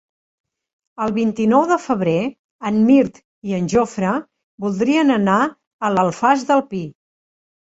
El vint-i-nou de febrer en Mirt i en Jofre voldrien anar a l'Alfàs del Pi.